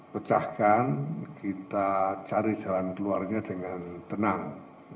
pecahkan kita cari jalan keluarnya dengan tenang